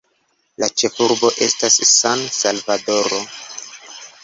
La ĉefurbo estas San-Salvadoro.